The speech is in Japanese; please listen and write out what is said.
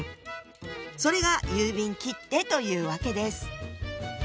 それが郵便切手というわけです。